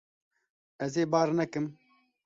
Ez ê bar nekim.